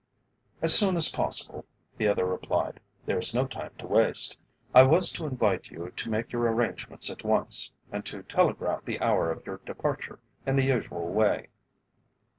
"As soon as possible," the other replied; "there is no time to waste. I was to invite you to make your arrangements at once, and to telegraph the hour of your departure in the usual way."